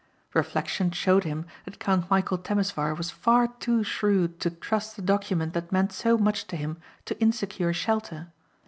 Reflection showed him that Count Michæl Temesvar was far too shrewd to trust the document that meant so much to him to insecure shelter.